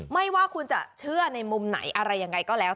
ไม่ว่าคุณจะเชื่อในมุมไหนอะไรยังไงก็แล้ว